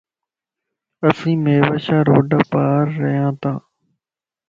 اسين ميوا شاه روڊ پار رھياتا.